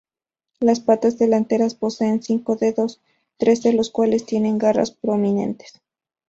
Las patas delanteras poseen cinco dedos, tres de los cuales tienen garras prominentes.